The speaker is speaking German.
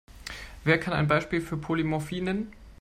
Wer kann ein Beispiel für Polymorphie nennen?